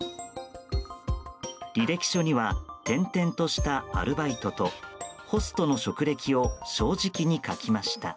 履歴書には転々としたアルバイトとホストの職歴を正直に書きました。